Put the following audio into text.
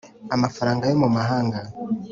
Amafaranga yo mu mahanga